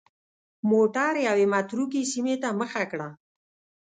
موټر یوې متروکې سیمې ته مخه کړه.